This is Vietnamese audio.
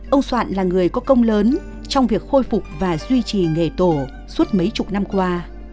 ông soạn là người có công lớn trong việc khôi phục và duy trì nghề tổ suốt mấy chục năm qua